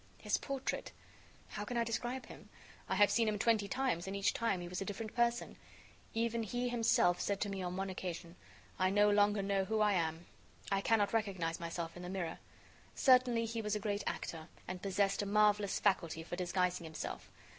His portrait? How can I describe him? I have seen him twenty times and each time he was a different person; even he himself said to me on one occasion: "I no longer know who I am. I cannot recognize myself in the mirror." Certainly, he was a great actor, and possessed a marvelous faculty for disguising himself.